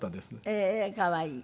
ええー可愛い。